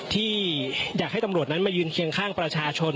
ที่อยากให้ตำรวจนั้นมายืนเคียงข้างประชาชน